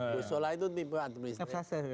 gus solah itu tipe administrator